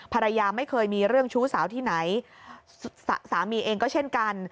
ภรรยาไม่เคยมีเรื่องชู้สาวที่ไหนสามีเองก็เช่นกัน